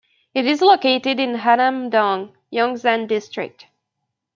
It is located in Hannam-dong, Yongsan District.